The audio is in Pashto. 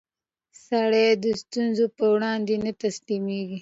سړی د ستونزو پر وړاندې نه تسلیمېږي